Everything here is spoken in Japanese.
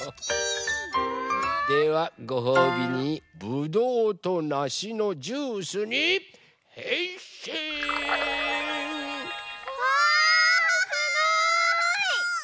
ではごほうびにぶどうとなしのジュースにへんしん！わすごい！